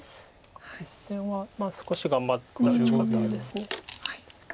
実戦は少し頑張った打ち方です。